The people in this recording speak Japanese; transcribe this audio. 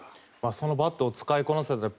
そのバットを使いこなせたら。